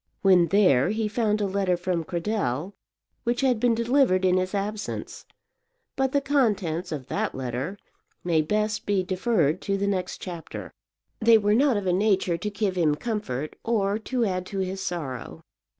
When there he found a letter from Cradell, which had been delivered in his absence; but the contents of that letter may best be deferred to the next chapter. They were not of a nature to give him comfort or to add to his sorrow.